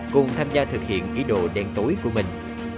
cùng tham gia thực hiện ý đồ đen tối của mình